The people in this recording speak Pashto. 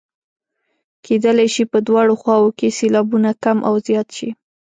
کیدلای شي په دواړو خواوو کې سېلابونه کم او زیات شي.